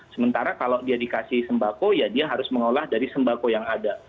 sementara kalau dia dikasih sembako ya dia harus mengolah dari sembako yang ada